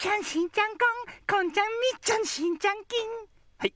はい。